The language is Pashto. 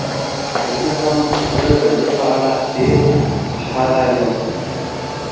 که څه هم، زه د دې په اړه ډیر خوشحاله یم.